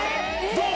どう？